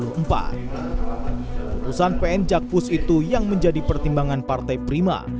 keputusan pn jakpus itu yang menjadi pertimbangan partai prima